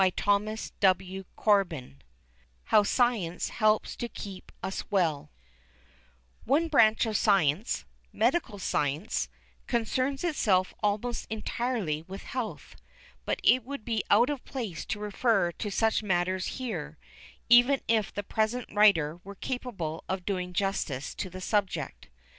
CHAPTER XIX HOW SCIENCE HELPS TO KEEP US WELL One branch of science medical science concerns itself almost entirely with health, but it would be out of place to refer to such matters here, even if the present writer were capable of doing justice to the subject.